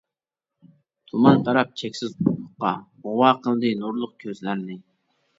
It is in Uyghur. تۇمان تاراپ چەكسىز ئۇپۇققا، غۇۋا قىلدى نۇرلۇق كۆزلەرنى.